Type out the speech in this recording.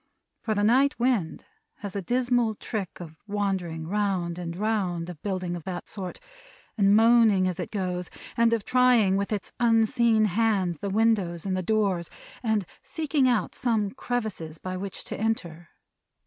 For the night wind has a dismal trick of wandering round and round a building of that sort, and moaning as it goes; and of trying with its unseen hand, the windows and the doors; and seeking out some crevices by which to enter.